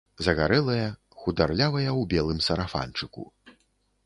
Загарэлая, хударлявая ў белым сарафанчыку.